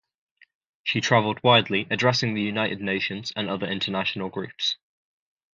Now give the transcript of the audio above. She traveled widely, addressing the United Nations and other international groups.